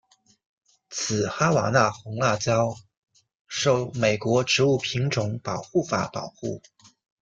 此哈瓦那红辣椒受美国植物品种保护法保护。